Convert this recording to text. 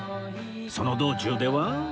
その道中では